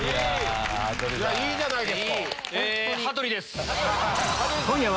いいじゃないですか！